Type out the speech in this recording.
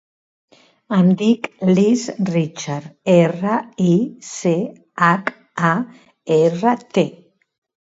Em dic Lis Richart: erra, i, ce, hac, a, erra, te.